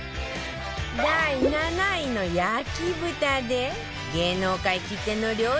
第７位の焼豚で芸能界きっての料理